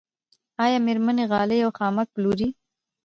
آیا میرمنې غالۍ او خامک پلوري؟